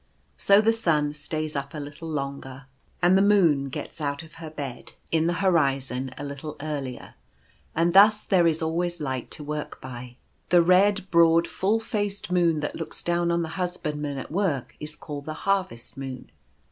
So the sun stays up a little longer, and the moon gets out of her bed 1 60 Sibold and May. in the horizon a little earlier, and thus there is always light to work by. The red, broad, full faced moon that looks down on the husbandmen at work is called the Harvest Moon.